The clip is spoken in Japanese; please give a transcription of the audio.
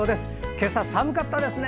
今朝、寒かったですね。